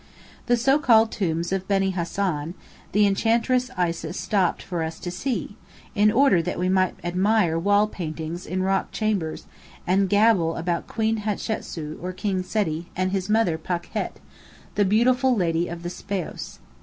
The so called tombs of "Beni Hasan," the Enchantress Isis stopped for us to see, in order that we might admire wall paintings in rock chambers, and gabble about Queen Hatasu or King Seti and his mother Pakhet, the "Beautiful Lady of the Speos."